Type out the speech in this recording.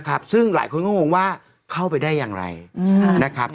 ครับซึ่งหลายคนก็งงว่าเข้าไปได้อย่างไรนะครับ